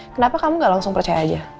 kenapa kamu gak langsung percaya aja